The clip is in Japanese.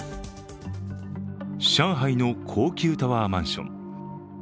上海の高級タワーマンション。